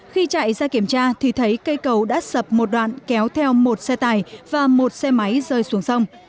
khi chạy ra kiểm tra thì thấy cây cầu đã sập một đoạn kéo theo một xe tải và một xe máy rơi xuống sông